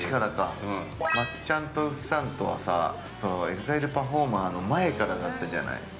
◆松ちゃんとうっさんとはさ、ＥＸＩＬＥパフォーマーの前からだったじゃない。